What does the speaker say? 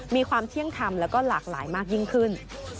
มีความเที่ยงธรรมแล้วก็หลากหลายมากยิ่งขึ้น